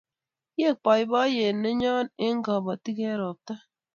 Kiek boiboiyet neyo eng' kabotik eng' ropta